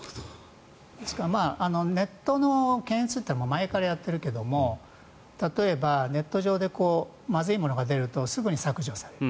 ですから、ネットの検閲って前からやっているけども例えばネット上でまずいものが出るとすぐに削除される。